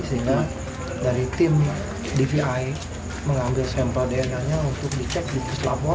sehingga dari tim dvi mengambil sampel dna nya untuk dicek di puslapor